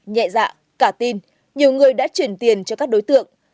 nhẹ dạ cả tin nhiều người đã chuyển tiền cho các đối tượng